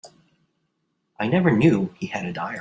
I never knew he had a diary.